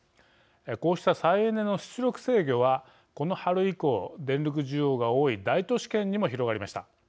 こうした再エネの出力制御はこの春以降、電力需要が多い大都市圏にも広がりました。